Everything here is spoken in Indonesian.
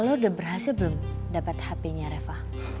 lo udah berhasil belum dapet hpnya reva